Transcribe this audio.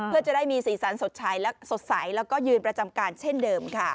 เพื่อจะได้มีสีสันสดใสและสดใสแล้วก็ยืนประจำการเช่นเดิมค่ะ